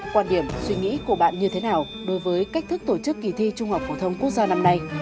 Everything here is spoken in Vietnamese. quan điểm suy nghĩ của bạn như thế nào đối với cách thức tổ chức kỳ thi trung học phổ thông quốc gia năm nay